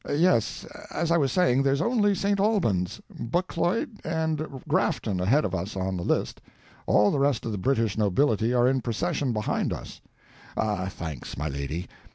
Yes, as I was saying, there's only St. Albans, Buccleugh and Grafton ahead of us on the list—all the rest of the British nobility are in procession behind us. Ah, thanks, my lady.